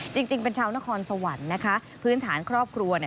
จริงเป็นชาวนครสวรรค์นะคะพื้นฐานครอบครัว